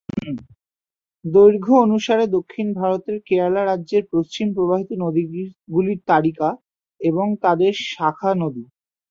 দৈর্ঘ্য অনুসারে দক্ষিণ ভারতের কেরালা রাজ্যের পশ্চিম-প্রবাহিত নদীগুলির তালিকা এবং তাদের শাখা নদী।